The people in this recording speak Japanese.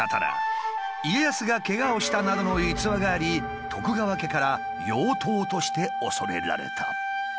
家康がけがをしたなどの逸話があり徳川家から妖刀として恐れられた。